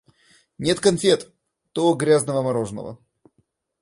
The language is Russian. Нет конфет, то грязного мороженого.